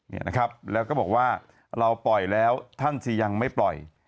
เนี่ยนะครับแล้วก็บอกว่าเราปล่อยแล้วท่านจะยังไม่ปล่อย